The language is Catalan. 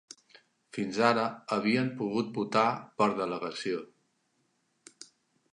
Fins ara havien pogut votar per delegació